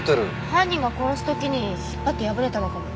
犯人が殺す時に引っ張って破れたのかも。